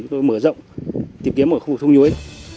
chúng tôi mở rộng tìm kiếm khu vực thung nhuế